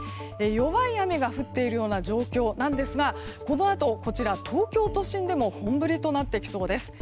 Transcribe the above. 弱い雨が降っているような状況なんですがこのあと、東京都心でも本降りとなってきそうです。